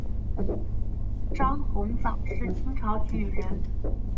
张鸿藻是清朝举人。